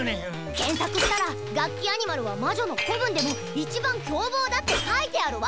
検索したらガッキアニマルは魔女の子分でも一番凶暴だって書いてあるわ！